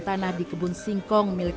tanah di kebun singkong milik